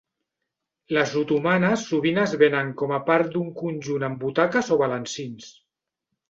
Les otomanes sovint es venen com a part d'un conjunt amb butaques o balancins.